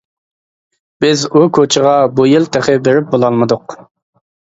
بىز ئۇ كوچىغا بۇ يىل تېخى بېرىپ بولالمىدۇق.